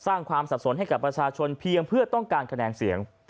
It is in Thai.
สร้างความสับสนให้กับประชาชนเพียงเพื่อต้องการคะแนนเสียง